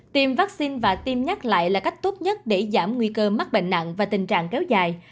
tiêm vaccine và tiêm nhắc lại là cách tốt nhất để giảm nguy cơ mắc bệnh nặng và tình trạng kéo dài